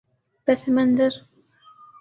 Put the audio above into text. پس منظر